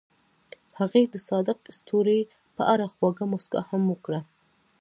هغې د صادق ستوري په اړه خوږه موسکا هم وکړه.